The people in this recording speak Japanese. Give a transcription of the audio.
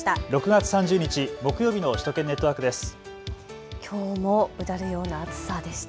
６月３０日木曜日の首都圏ネットワークです。